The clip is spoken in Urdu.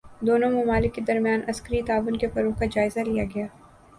دونوں ممالک کے درمیان عسکری تعاون کے فروغ کا جائزہ لیا گیا